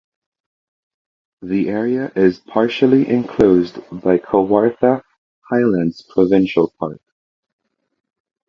The area is partially enclosed by Kawartha Highlands Provincial Park.